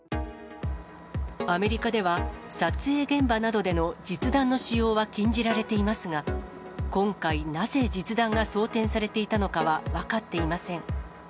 アメリカでは、撮影現場などでの実弾の使用は禁じられていますが、今回、なぜ実弾が装填されていたのかは分かっていません。